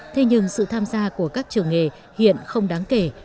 thế nhưng sự tham gia của các trường nghề hiện không đáng kể